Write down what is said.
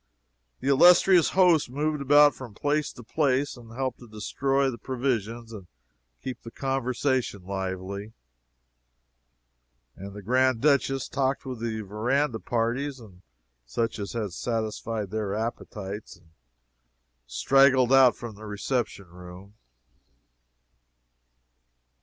The illustrious host moved about from place to place, and helped to destroy the provisions and keep the conversation lively, and the Grand Duchess talked with the verandah parties and such as had satisfied their appetites and straggled out from the reception room.